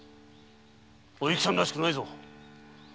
お幸さんらしくないぞ！